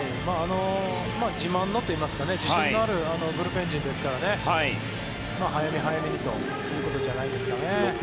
自慢のといいますか自信のあるブルペン陣ですから早め早めにということじゃないですかね。